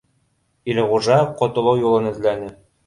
Илғужа ҡотолоу юлын эҙләне